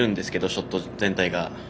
ショット全体が。